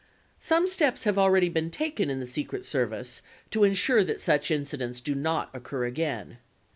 Some steps have already been taken in the Secret Service to insure that such incidents do not occur again.